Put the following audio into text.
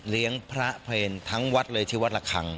เลี้ยงพระเพลงทั้งวัดเลยที่วัดหลักครั้ง